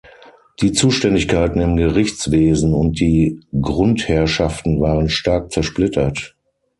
Die Zuständigkeiten im Gerichtswesen und die Grundherrschaften waren stark zersplittert.